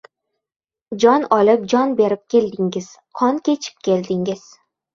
Jon olib, jon berib keldingiz, qon kechib keldingiz.